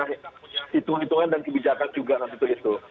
punya hitung hitungan dan kebijakan juga nanti tuh itu